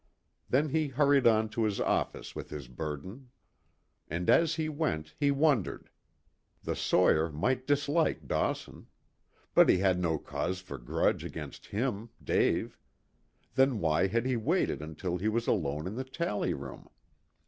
Then he hurried on to his office with his burden. And as he went he wondered. The sawyer might dislike Dawson. But he had no cause for grudge against him, Dave. Then why had he waited until he was alone in the tally room?